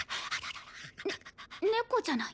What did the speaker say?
ね猫じゃない？